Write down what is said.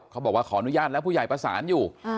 ขออนุญาตแล้วผู้ใหญ่ประสานอยู่